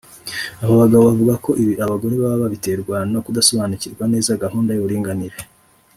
Aba bagabo bavuga ko ibi abagore baba babiterwa no kudasobanukirwa neza gahunda y’uburinganire